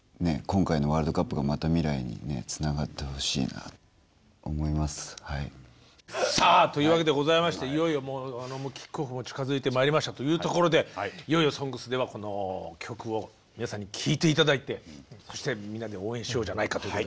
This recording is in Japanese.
歌詞にも書いたんですけれどさあというわけでございましていよいよキックオフも近づいてまいりましたというところでいよいよ「ＳＯＮＧＳ」ではこの曲を皆さんに聴いて頂いてそしてみんなで応援しようじゃないかという。